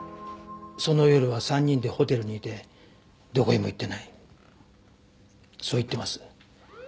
その夜は３人でホテルにいてどこへも行ってないそう言ってます。